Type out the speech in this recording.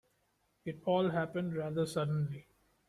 It all happened rather suddenly.